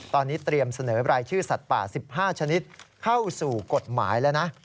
ตอนนี้เตรียมเสนอรายชื่อสัตว์ป่า๑๕ชนิดเข้าสู่กฎหมายแล้วนะ